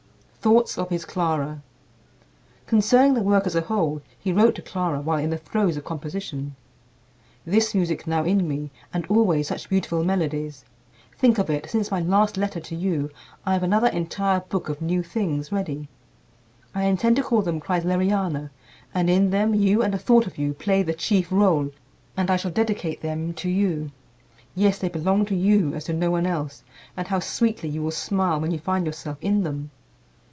Thoughts of His Clara. Concerning the work as a whole he wrote to Clara while in the throes of composition: "This music now in me, and always such beautiful melodies! Think of it, since my last letter to you I have another entire book of new things ready. I intend to call them 'Kreisleriana,' and in them you and a thought of you play the chief rôle, and I shall dedicate them to you. Yes, they belong to you as to no one else, and how sweetly you will smile when you find yourself in them!